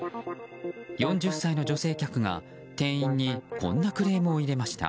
４０歳の女性客が店員にこんなクレームを入れました。